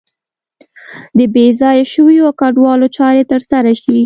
د بې ځایه شویو او کډوالو چارې تر سره شي.